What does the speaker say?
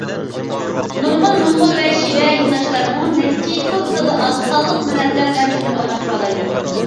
نۇرغۇن موڭغۇل ۋە شىبە يولداشلارمۇ نەچچە خىل تىلدا ئاز سانلىق مىللەتلەر بىلەن پىكىر ئالماشتۇرالايدۇ.